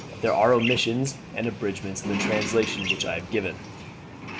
There are omissions and abridgments in the translation which I have given.